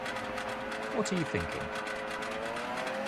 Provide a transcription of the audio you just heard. What are you thinking?